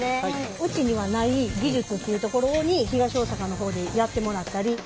うちにはない技術っていうところに東大阪の方でやってもらったり。